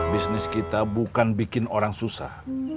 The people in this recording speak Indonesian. bisnis kita bukan bikin orang susah